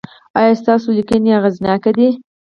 ایا ستاسو لیکنې اغیزناکې دي؟